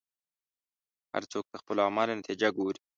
هر څوک د خپلو اعمالو نتیجه ګوري.